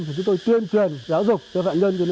thì chúng tôi tuyên truyền giáo dục cho phạm nhân